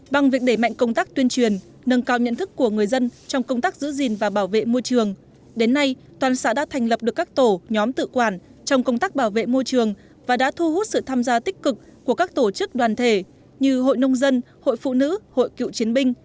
bằng việc để mạnh công tác tuyên truyền nâng cao nhận thức của người dân trong công tác giữ gìn và bảo vệ môi trường đến nay toàn xã đã thành lập được các tổ nhóm tự quản trong công tác bảo vệ môi trường và đã thu hút sự tham gia tích cực của các tổ chức đoàn thể như hội nông dân hội phụ nữ hội cựu chiến binh